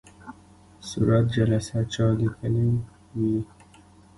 صورت جلسه چا لیکلې وي؟